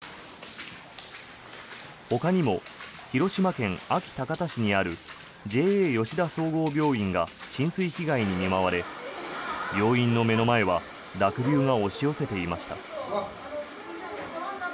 ほかにも広島県安芸高田市にあるＪＡ吉田総合病院が浸水被害に見舞われ病院の目の前は濁流が押し寄せていました。